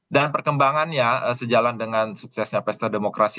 dan perkembangannya sejalan dengan suksesnya pesta demokrasi kemarin